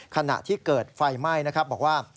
ขณะที่เกิดไฟไหม้นะครับบอกว่า